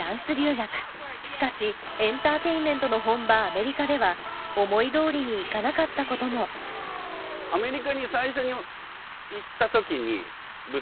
しかしエンターテインメントの本場アメリカでは思いどおりにいかなかったこともアメリカに最初に行った時にぶつかった壁とかって。